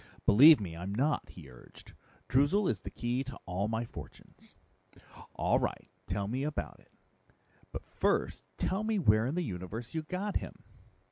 "Believe me, I'm not," he urged. "Droozle is the key to all my fortunes." "All right, tell me about it. But first tell me where in the universe you got him."